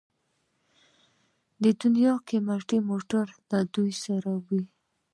د دنیا قیمتي موټر له دوی سره وي.